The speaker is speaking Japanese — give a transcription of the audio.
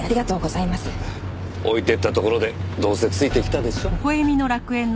置いていったところでどうせついてきたでしょ？